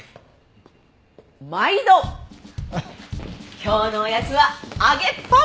今日のおやつは揚げパン！